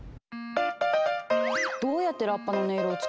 どうやってラッパの音色を作るの？